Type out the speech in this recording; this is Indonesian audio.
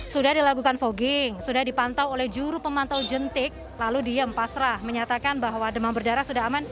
sudah dilakukan fogging sudah dipantau oleh juru pemantau jentik lalu diem pasrah menyatakan bahwa demam berdarah sudah aman